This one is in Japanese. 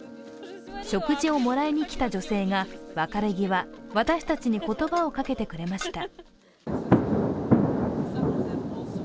食事をもらいに来た女性が別れ際、私たちに言葉をかけてくれました。